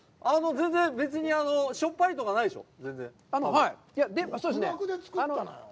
全然別にしょっぱいとか、ないでしょ？